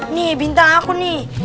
nih bintang aku nih